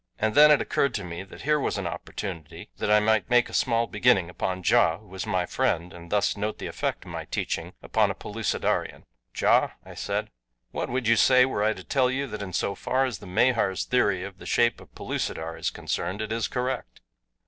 And then it occurred to me that here was an opportunity that I might make a small beginning upon Ja, who was my friend, and thus note the effect of my teaching upon a Pellucidarian. "Ja," I said, "what would you say were I to tell you that in so far as the Mahars' theory of the shape of Pellucidar is concerned it is correct?"